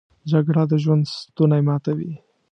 جګړه د ژوند ستونی ماتوي